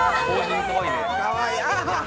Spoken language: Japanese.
かわいい。